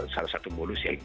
salah satu modus ya